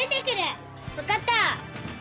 わかった！